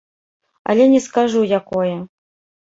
Але не скажу, якое.